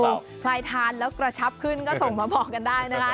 ใครทานแล้วกระชับขึ้นก็ส่งมาบอกกันได้นะคะ